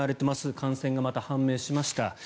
感染がまた判明しました。